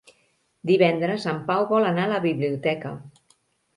Divendres en Pau vol anar a la biblioteca.